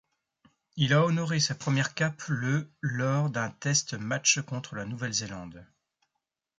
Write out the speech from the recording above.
Il a honoré sa première cape le lors d'un test match contre la Nouvelle-Zélande.